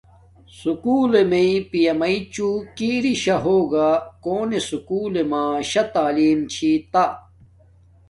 سوکولݵ میں پیا مݷچوں کی اری شاہ ہوگا کونے سوکولݵ میں شاہ تعلم چھی تا